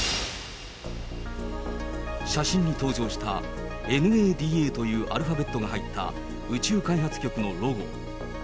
写真に登場した、ＮＡＤＡというアルファベットが入った宇宙開発局のロゴ。